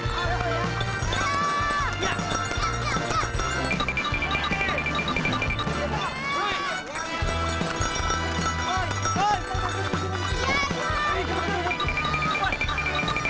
sudahlah saya ambil gambar gambar itu